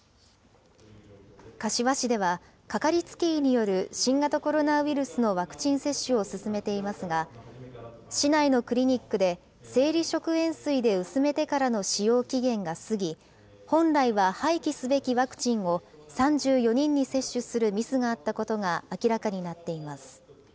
柏市では、掛かりつけ医による新型コロナウイルスのワクチン接種を進めていますが、市内のクリニックで、生理食塩水で薄めてからの使用期限が過ぎ、本来は廃棄すべきワクチンを、３４人に接種するミスがあったことが明らかになっています。